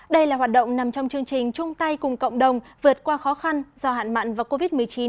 đây là hoạt động nằm trong chương trình chung tay cùng cộng đồng vượt qua khó khăn do hạn mặn và covid một mươi chín